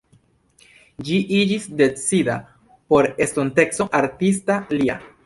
Ĝi iĝis decida por estonteco artista lia.